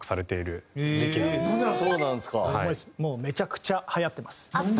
もうめちゃくちゃはやってます。